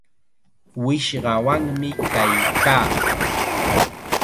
Wishqawanmi kaykaa.